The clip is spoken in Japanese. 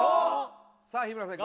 さあ日村さんい